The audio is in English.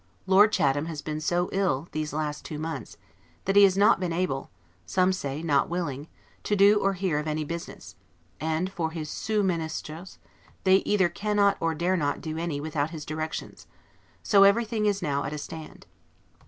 Lord Chatham has been so ill, these last two months, that he has not been able (some say not willing) to do or hear of any business, and for his 'sous Ministres', they either cannot, or dare not, do any, without his directions; so everything is now at a stand.